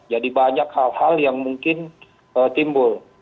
jadi banyak hal hal yang mungkin timbul